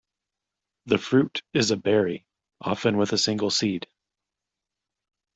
The fruit is a berry, often with a single seed.